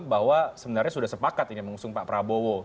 bahwa sebenarnya sudah sepakat ini mengusung pak prabowo